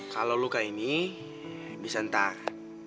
kalau luka ini bisa entah